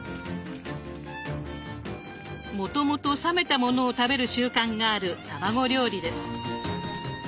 もともと冷めたものを食べる習慣がある卵料理です。